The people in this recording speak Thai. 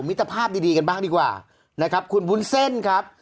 ตรภาพดีดีกันบ้างดีกว่านะครับคุณวุ้นเส้นครับ